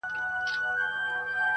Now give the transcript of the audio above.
نسه نه وو نېمچه وو ستا د درد په درد.